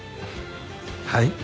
はい？